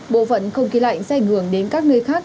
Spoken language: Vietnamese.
bộ phận không khí lạnh sẽ ảnh hưởng đến các nơi khác